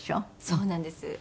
そうなんです。